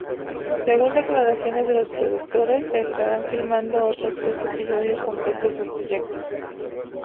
Según declaraciones de los productores, se estarán filmando otros tres episodios completos del proyecto.